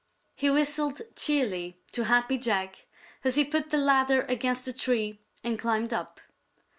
He whistled cheerily to Happy Jack as he put the ladder against the tree and climbed up.